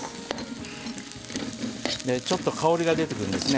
ちょっと香りが出てくるんですね。